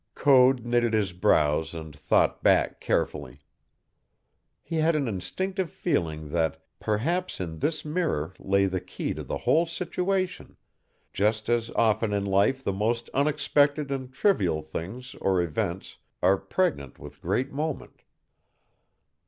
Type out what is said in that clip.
Code knitted his brows and thought back carefully. He had an instinctive feeling that perhaps in this mirror lay the key to the whole situation, just as often in life the most unexpected and trivial things or events are pregnant with great moment.